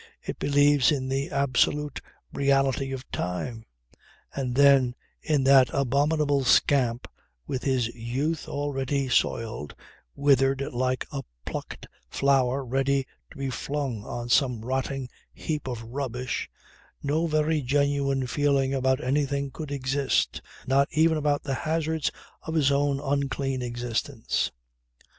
It believes in the absolute reality of time. And then, in that abominable scamp with his youth already soiled, withered like a plucked flower ready to be flung on some rotting heap of rubbish, no very genuine feeling about anything could exist not even about the hazards of his own unclean existence.